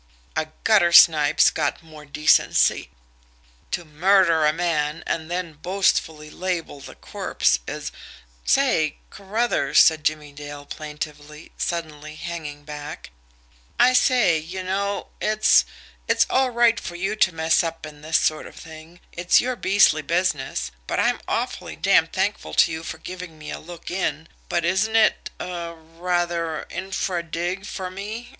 A guttersnipe's got more decency! To murder a man and then boastfully label the corpse is " "Say, Carruthers," said Jimmie Dale plaintively, suddenly hanging back, "I say, you know, it's it's all right for you to mess up in this sort of thing, it's your beastly business, and I'm awfully damned thankful to you for giving me a look in, but isn't it er rather INFRA DIG for me?